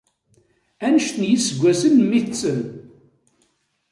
Anect n yiseggasen n memmi-tsen?